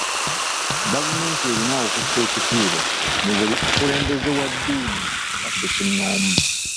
Gavumenti erina okussa ekitiibwa mu buli mukulembeze wa ddiini nga ssekinoomu.